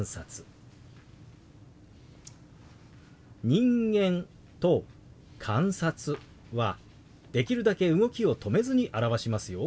「人間」と「観察」はできるだけ動きを止めずに表しますよ。